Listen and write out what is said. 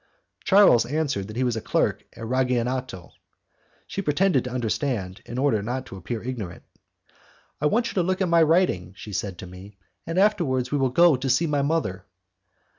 Charles answered that he was clerk at Ragionato. She pretended to understand, in order not to appear ignorant. "I want you to look at my writing," she said to me, "and afterwards we will go and see my mother."